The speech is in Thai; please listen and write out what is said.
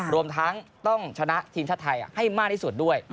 รวมทั้งต้องชนะทีมชาติไทยให้มากที่สุดด้วย